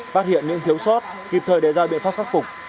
phát hiện những thiếu sót kịp thời đề ra biện pháp khắc phục